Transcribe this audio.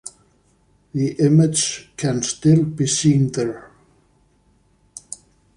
The image can still be seen there.